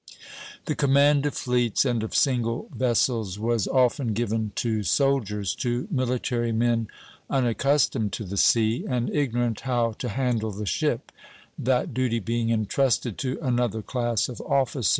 The command of fleets and of single vessels was often given to soldiers, to military men unaccustomed to the sea, and ignorant how to handle the ship, that duty being intrusted to another class of officer.